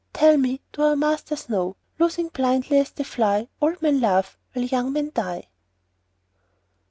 Tell me, do our masters know, Loosing blindly as they fly, Old men love while young men die?